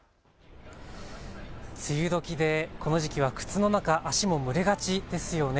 梅雨時でこの時期は靴の中、足も蒸れがちですよね。